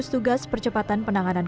ketua tim kuratif tugas